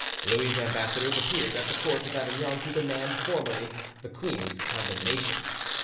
Louis's ambassadors appeared at the court of Avignon to demand formally the queen's condemnation.